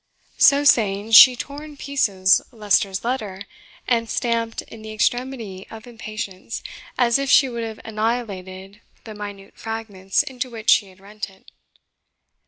So saying, she tore in pieces Leicester's letter, and stamped, in the extremity of impatience, as if she would have annihilated the minute fragments into which she had rent it.